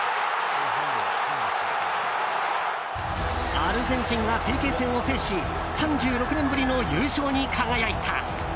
アルゼンチンがＰＫ戦を制し３６年ぶりの優勝に輝いた。